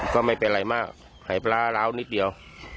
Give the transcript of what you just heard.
ก็ไม่เป็นไรมากหายปลาร้าวนิดเดียว